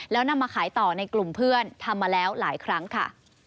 แล้วนำมาขายต่อในกลุ่มเพื่อนทำมาแล้วหลายครั้งค่ะ